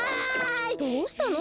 どうしたの？